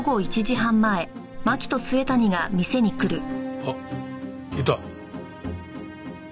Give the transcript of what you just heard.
あっいた。